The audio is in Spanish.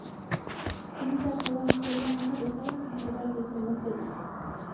Una tercera estrella más alejada completa el sistema estelar.